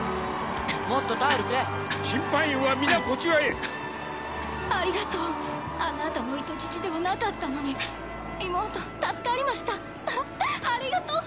もっとタオルくれ審判員は皆こちらへありがとうあなたの人質ではなかったのに妹助かりましたありがとう！